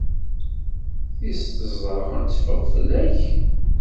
Tis tẓa ad teffeɣ fell-ak?